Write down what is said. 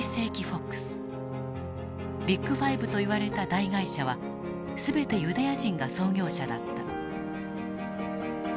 ビッグ５といわれた大会社は全てユダヤ人が創業者だった。